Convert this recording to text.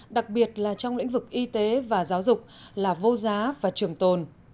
đặc biệt là trong lĩnh vực y tế và giáo dục là vô giá và trường tồn